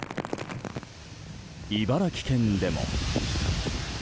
茨城県でも。